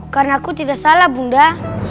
karena aku tidak salah bunda